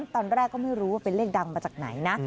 ตอนแรกก็ไม่รู้ว่าเป็นเลขดังมาจากไหนนะ